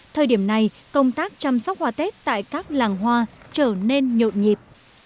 thời điểm này công tác chăm sóc hoa tết tại các làng hoa trở nên nhộn nhịp